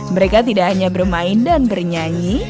mereka tidak hanya bermain dan bernyanyi